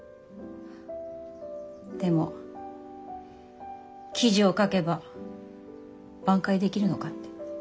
でも記事を書けば挽回できるのかって。